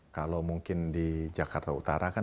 kalau mungkin di jakarta utara kan